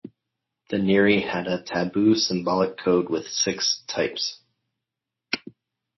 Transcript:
The Nri had a taboo symbolic code with six types.